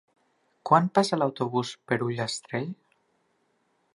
Quan passa l'autobús per Ullastrell?